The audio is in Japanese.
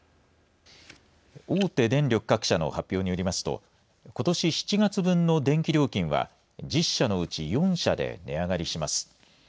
大手電力各社の発表によりますと、ことし７月分の電気料金は、１０社のうち４社で値上がりします。